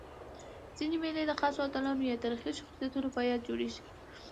ځيني مېلې د خاصو اتلانو یا تاریخي شخصیتونو په یاد جوړيږي.